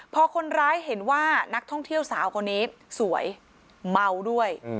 พอคนร้ายเห็นว่านักท่องเที่ยวสาวคนนี้สวยเมาด้วย